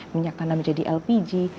minyak tanam jadi lpg